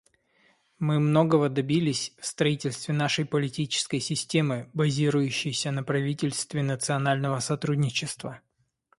Мы многого добились в строительстве нашей политической системы, базирующейся на правительстве национального сотрудничества.